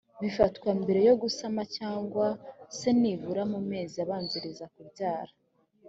bifatwa mbereyo gusama cyangwa se nibura mu mezi abanziriza kubyara.